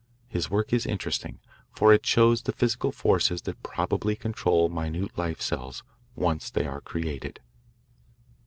His work is interesting, for it shows the physical forces that probably control minute life cells, once they are created.